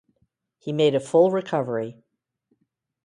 He made a full recovery.